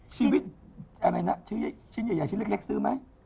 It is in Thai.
ชีวิตอะไรนะชิ้นใหญ่ชิ้นเล็กซื้อไหม